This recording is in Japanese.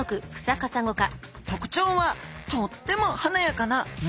特徴はとっても華やかな胸びれ。